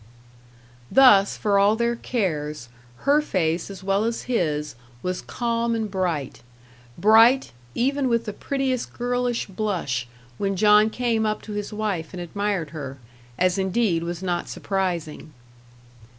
Thus, for all their cares, her face as well as his, was calm and bright. Bright, even with the prettiest girlish blush, when John came up to his wife and admired her as indeed was not surprising.